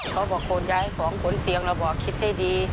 เขาบอกขนย้ายของขนเตียงเราบอกคิดได้ดี